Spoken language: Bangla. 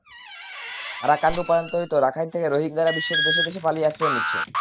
আরাকান রূপান্তরিত রাখাইন থেকে রোহিঙ্গারা বিশ্বের দেশে দেশে পালিয়ে আশ্রয় নিচ্ছে।